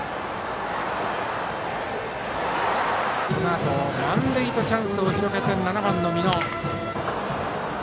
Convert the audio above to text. このあと満塁とチャンスを広げて７番の美濃。